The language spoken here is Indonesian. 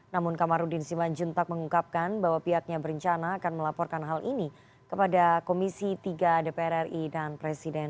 namun kamarudin siman juntak mengungkapkan bahwa pihaknya berencana akan melaporkan hal ini kepada komisi tiga dpr ri dan presiden